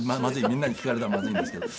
みんなに聞かれたらまずいんですけど。